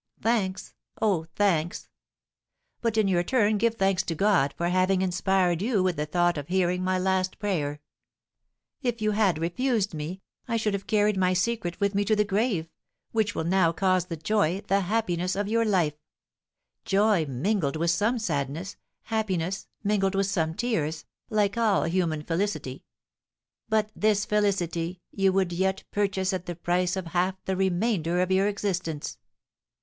Thanks, oh, thanks! But in your turn give thanks to God for having inspired you with the thought of hearing my last prayer! If you had refused me, I should have carried my secret with me to the grave, which will now cause the joy, the happiness of your life, joy, mingled with some sadness, happiness, mingled with some tears, like all human felicity; but this felicity you would yet purchase at the price of half the remainder of your existence!"